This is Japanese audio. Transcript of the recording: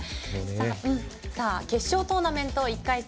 決勝トーナメント１回戦